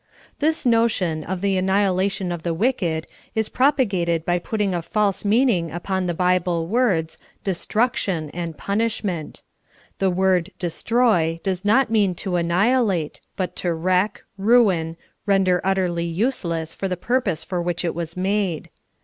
This notion of the annihilation of the wicked is propagated b}^ putting a false meaning upon the Bible w^ords "destruction" and " punishment." The word " destroy " does not mean to annihilate, but to wTeck, ruin, render utterly useless for the purpose for which it was made.